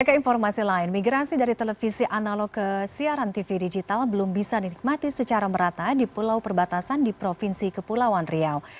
ke informasi lain migrasi dari televisi analog ke siaran tv digital belum bisa dinikmati secara merata di pulau perbatasan di provinsi kepulauan riau